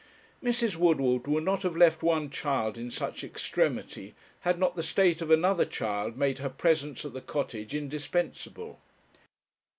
Mrs. Woodward would not have left one child in such extremity, had not the state of another child made her presence at the Cottage indispensable.